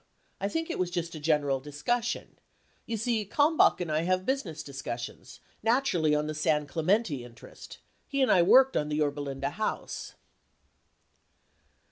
I think it was just a general dis cussion. You see, Kalmbach and I have business discussions, naturally on the San Clemente interest. He and I worked on the Yorba Linda House